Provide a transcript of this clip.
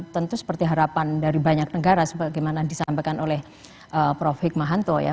tentu seperti harapan dari banyak negara sebagaimana disampaikan oleh prof hikmahanto ya